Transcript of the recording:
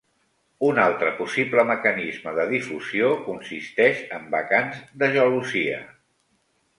Un altre possible mecanisme de difusió consisteix en vacants de gelosia.